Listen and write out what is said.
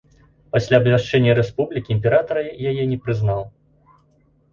Пасля абвяшчэння рэспублікі імператар яе не прызнаў.